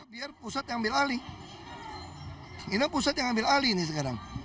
biar pusat yang ambil alih ini pusat yang ambil alih ini sekarang